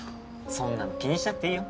そんなの気にしなくていいよ。